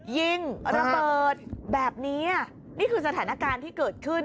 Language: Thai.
ยิงระเบิดแบบนี้นี่คือสถานการณ์ที่เกิดขึ้น